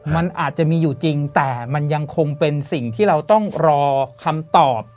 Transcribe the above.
มันอาจจะมีอยู่จริงแต่มันยังคงเป็นสิ่งที่เราต้องรอคำตอบ